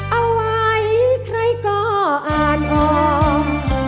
เอาไว้ใครก็อ่านออก